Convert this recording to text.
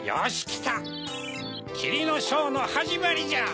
きりのショーのはじまりじゃ。